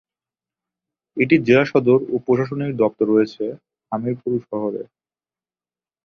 এটির জেলা সদর ও প্রশাসনিক দপ্তর রয়েছে হামিরপুর শহরে।